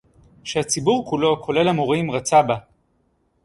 שהציבור כולו, כולל המורים, רצה בה